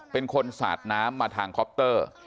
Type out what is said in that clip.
เป็นคนสาดน้ำมาทางคอปเตอร์